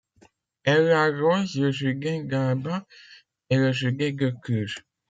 Elle arrose le Județ d'Alba et le Județ de Cluj.